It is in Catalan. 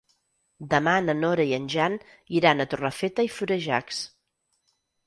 Demà na Nora i en Jan iran a Torrefeta i Florejacs.